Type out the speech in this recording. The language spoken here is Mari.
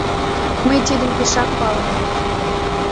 — Мый тидым пешак палынем.